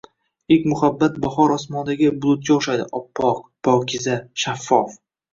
Ilk muhabbat bahor osmonidagi bulutga o’xshaydi. Oppoq. Pokiza. Shaffof.